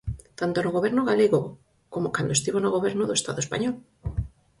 Tanto no Goberno galego como cando estivo no Goberno do Estado español.